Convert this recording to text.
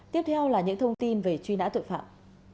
tiếp theo là những thông tin về truy nã tội phạm